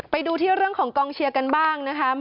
ไปดูที่เรื่องของกองเชียร์กันบ้างนะคะ